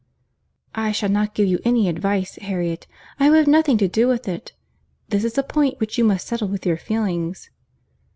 "I shall not give you any advice, Harriet. I will have nothing to do with it. This is a point which you must settle with your feelings."